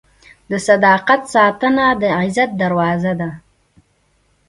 د صداقت ساتنه د عزت دروازه ده.